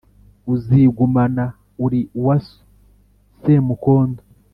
uzigumana uri uwa so samukondo